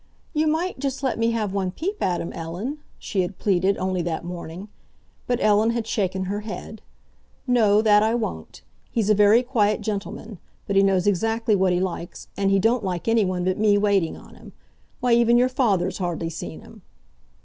"You might just let me have one peep at him, Ellen?" she had pleaded, only that morning. But Ellen had shaken her head. "No, that I won't! He's a very quiet gentleman; but he knows exactly what he likes, and he don't like anyone but me waiting on him. Why, even your father's hardly seen him."